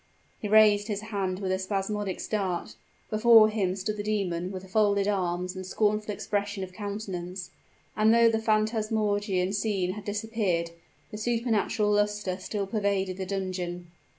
He raised his hand with a spasmodic start; before him stood the demon with folded arms and scornful expression of countenance and though the phantasmagorian scene had disappeared, the supernatural luster still pervaded the dungeon.